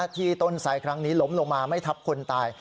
ที่ต้นไสครั้งนี้ล้มลงมาไม่ทับคนตาย